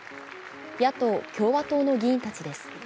野党・共和党の議員たちです。